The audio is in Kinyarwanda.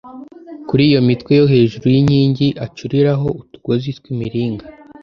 Kuri iyo mitwe yo hejuru y’inkingi acuriraho utugozi tw’imiringa